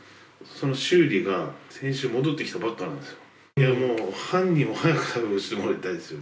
その修理が先週戻ってきたばっかなんですよ。